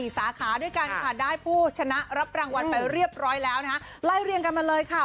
สาขาด้วยกันค่ะได้ผู้ชนะรับรางวัลไปเรียบร้อยแล้วนะคะไล่เรียงกันมาเลยค่ะ